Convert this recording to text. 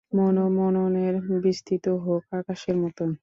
মন ও মননের বিস্তৃতি হোক আকাশের মতন।